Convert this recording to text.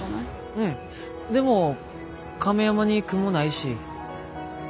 うんでも亀山に雲ないし。